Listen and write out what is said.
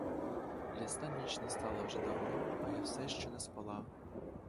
Ясна ніч настала вже давно, а я все ще не спала.